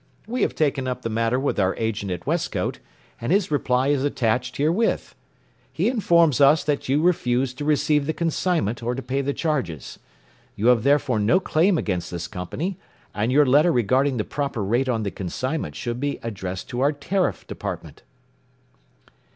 We have taken up the matter with our agent at Westcote, and his reply is attached herewith. He informs us that you refused to receive the consignment or to pay the charges. You have therefore no claim against this company, and your letter regarding the proper rate on the consignment should be addressed to our Tariff Department.